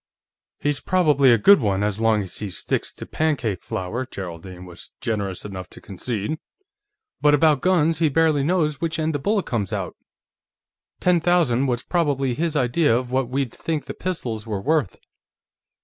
_" "He's probably a good one, as long as he sticks to pancake flour," Geraldine was generous enough to concede. "But about guns, he barely knows which end the bullet comes out at. Ten thousand was probably his idea of what we'd think the pistols were worth."